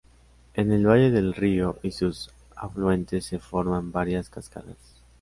En el valle del río y sus afluentes se forman varias cascadas.